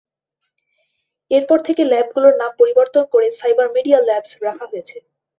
এরপর থেকে ল্যাবগুলোর নাম পরিবর্তন করে "সাইবারমিডিয়া ল্যাবস" রাখা হয়েছে।